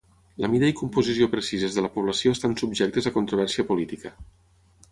La mida i composició precises de la població estan subjectes a controvèrsia política.